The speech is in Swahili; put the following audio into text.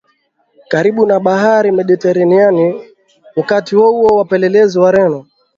karibu na Bahari Mediteranea Wakati huohuo wapelelezi Wareno